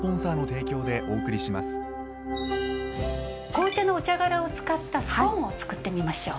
紅茶のお茶殻を使ったスコーンを作ってみましょう。